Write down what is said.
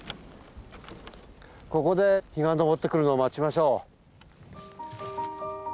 ここで日が昇ってくるのを待ちましょう。